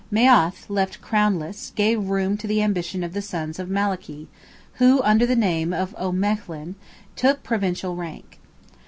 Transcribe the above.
Meath, left crownless, gave room to the ambition of the sons of Malachy, who, under the name of O'Melaghlin, took provincial rank.